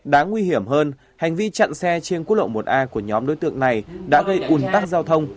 đáng nguy hiểm hơn hành vi chặn xe trên quốc lộ một a của nhóm đối tượng này đã gây ủn tắc giao thông